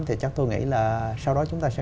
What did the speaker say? một mươi tám thì chắc tôi nghĩ là sau đó chúng ta